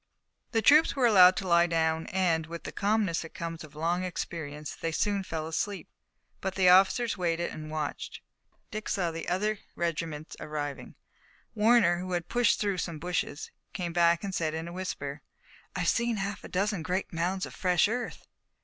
The troops were allowed to lie down, and, with the calmness that comes of long experience, they soon fell asleep. But the officers waited and watched, and Dick saw other regiments arriving. Warner, who had pushed through some bushes, came back and said in a whisper: "I've seen a half dozen great mounds of fresh earth."